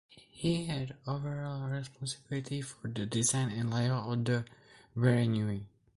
He had overall responsibility for the design and layout of the wharenui.